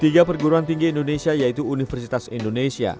tiga perguruan tinggi indonesia yaitu universitas indonesia